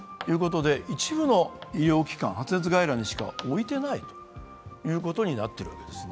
一部の医療機関、発熱外来にしか置いていないということになっているわけです。